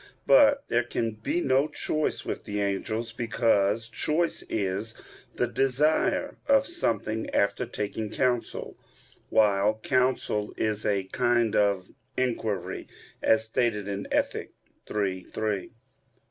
But there can be no choice with the angels, because choice is "the desire of something after taking counsel," while counsel is "a kind of inquiry," as stated in Ethic. iii, 3.